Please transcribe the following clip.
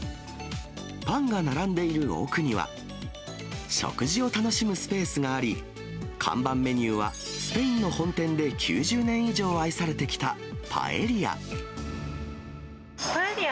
パンが並んでいる奥には、食事を楽しむスペースがあり、看板メニューは、スペインの本店で９０年以上愛されてきたパエリア。